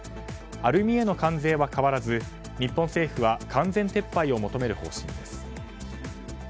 アルミへの関税は変わらず日本政府は完全撤廃を求める方針です。